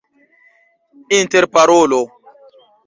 interparolo